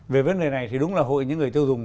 về vấn đề này thì đúng là hội những người tiêu dùng